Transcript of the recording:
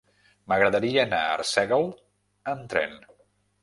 M'agradaria anar a Arsèguel amb tren.